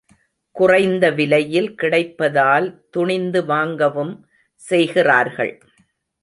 குறைந்த விலையில் கிடைப்பதால் துணிந்து வாங்கவும் செய்கிறார்கள்.